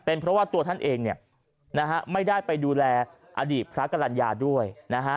เพราะว่าตัวท่านเองเนี่ยนะฮะไม่ได้ไปดูแลอดีตพระกรรณญาด้วยนะฮะ